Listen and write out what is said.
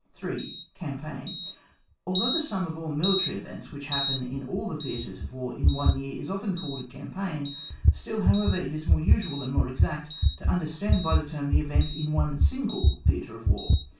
8. — Campaign, Although the sum of all military events which happen in all the Theatres of War in one year is often called a Campaign, still, however, it is more usual and more exact to understand by the term the events in one single Theatre of War.